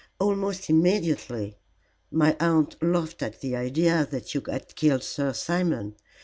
"Almost immediately. My aunt laughed at the idea that you had killed Sir Simon.